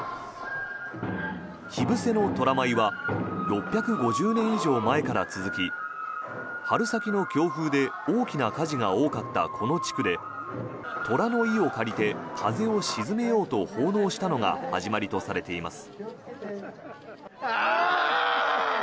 火伏せの虎舞は６５０年以上前から続き春先の強風で大きな火事が多かったこの地区で虎の威を借りて風を鎮めようと奉納したのが始まりとされています。